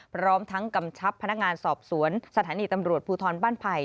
พร้อมทั้งกำชับพนักงานสอบสวนสถานีตำรวจภูทรบ้านไผ่